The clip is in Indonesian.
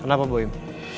kenapa bu im